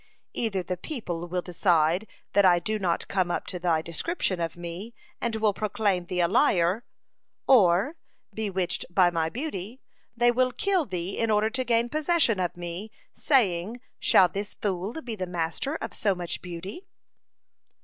Either the people will decide that I do not come up to thy description of me, and will proclaim thee a liar, or, bewitched by my beauty, they will kill thee in order to gain possession of me, saying, Shall this fool be the master of so much beauty?'"